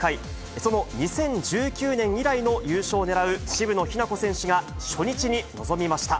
その２０１９年以来の優勝を狙う渋野日向子選手が、初日に臨みました。